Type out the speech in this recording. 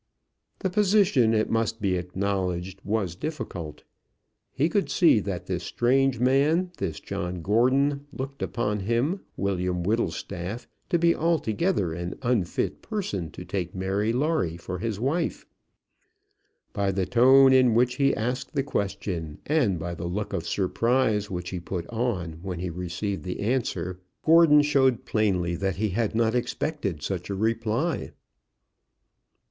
The position, it must be acknowledged, was difficult. He could see that this strange man, this John Gordon, looked upon him, William Whittlestaff, to be altogether an unfit person to take Mary Lawrie for his wife. By the tone in which he asked the question, and by the look of surprise which he put on when he received the answer, Gordon showed plainly that he had not expected such a reply.